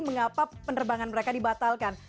mengapa penerbangan mereka dibatalkan